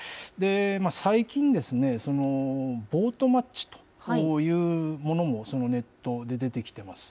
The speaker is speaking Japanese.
最近ですね、ボートマッチというものも、ネットで出てきてます。